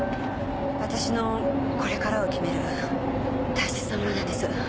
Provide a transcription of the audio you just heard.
私のこれからを決める大切なものなんです。